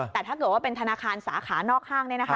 แต่ถ้าเกิดว่าเป็นธนาคารสาขานอกห้าง